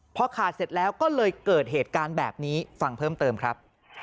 พอขาดเสร็จแล้วก็เลยเกิดเหตุการณ์แบบนี้ฟังเพิ่มเติมครับ